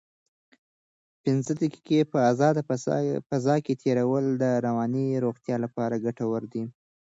پنځه دقیقې په ازاده فضا کې تېرول د رواني روغتیا لپاره ګټور دي.